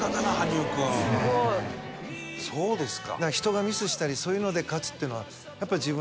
そうですか。